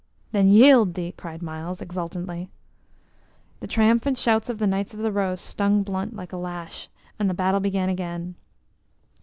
"Then yield thee!" cried Myles, exultantly. The triumphant shouts of the Knights of the Rose stung Blunt like a lash, and the battle began again.